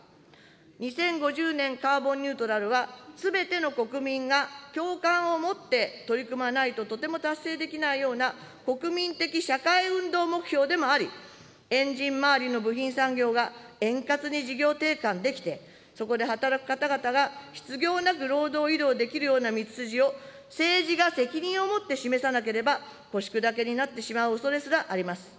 ２０５０年カーボンニュートラルは、すべての国民が共感を持って取り組まないととても達成できないような、国民的社会運動目標でもあり、エンジン周りの部品産業が円滑に事業転換できて、そこで働く方々が失業なく労働移動できるような道筋を、政治が責任を持って示さなければ、腰砕けになってしまうおそれすらあります。